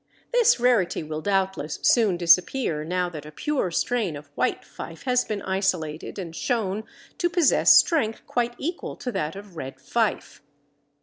This rarity will doubtless soon disappear now that a pure strain of White Fife has been isolated and shown to possess strength quite equal to that of Red Fife.